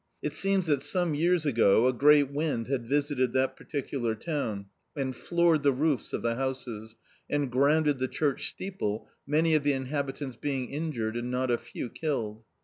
It seems that some years ago, a great wind had visited that particular town, and floored the roofs of the houses, and grounded the church steeple, many of the inhabitants being in jured, and not a few lulled.